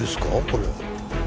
これ。